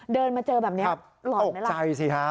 เดินมาเจอแบบนี้หล่อนไหมล่ะ